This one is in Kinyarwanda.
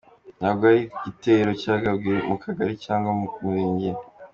Ntabwo ari igitero cyagabwe mu kagari cyangwa mu murenge.